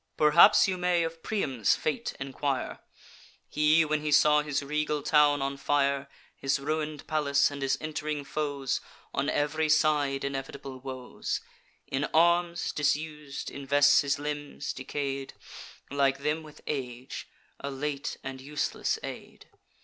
"Perhaps you may of Priam's fate enquire. He, when he saw his regal town on fire, His ruin'd palace, and his ent'ring foes, On ev'ry side inevitable woes, In arms, disus'd, invests his limbs, decay'd, Like them, with age; a late and useless aid.